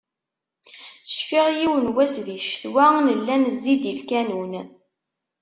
Cfiɣ yiwen n wass di ccetwa, nella nezzi-d i lkanun.